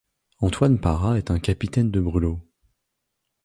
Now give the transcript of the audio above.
Antoine Parat est un capitaine de brûlot.